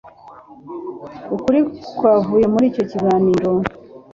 Ukuri kwavuye muri icyo kiganiro,